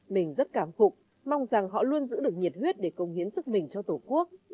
mình rất cảm phục mong rằng họ luôn giữ được nhiệt huyết để công nghiệp